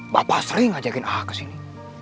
bapak sering ajakin ah kesini